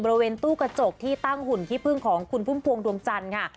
บริเวณตู้กระจกที่ตั้งหุ่นขี้พึ่งของคุณพุ่มพวงดวงจันทร์ค่ะ